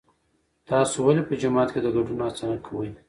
تاسو ولې په جماعت کې د ګډون هڅه نه کوئ؟